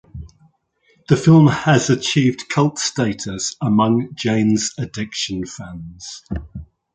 The film has achieved cult status among Jane's Addiction fans.